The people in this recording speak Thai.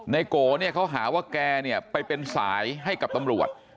โกเนี่ยเขาหาว่าแกเนี่ยไปเป็นสายให้กับตำรวจ